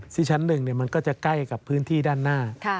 ที่ชั้นหนึ่งมันก็จะใกล้กับพื้นที่ด้านหน้า